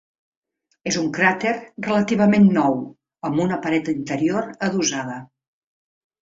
És un cràter relativament nou amb una paret interior adossada.